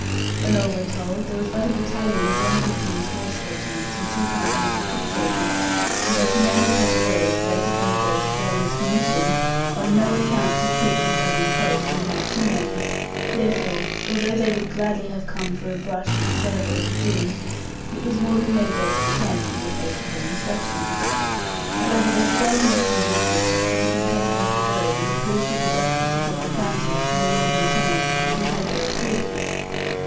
When all were told, there was but a battalion of one of the King's horse regiments, and two companies of foot soldiers; and their commanders had orders, later than the date of Jeremy's commission, on no account to quit the southern coast, and march inland. Therefore, although they would gladly have come for a brush with the celebrated Doones, it was more than they durst attempt, in the face of their instructions. However, they spared him a single trooper, as a companion of the road, and to prove to the justices of the county, and the lord lieutenant, that he had their approval.